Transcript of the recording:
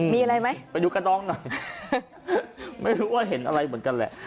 มีอะไรไหมไปดูกระดองหน่อยไม่รู้ว่าเห็นอะไรเหมือนกันแหละ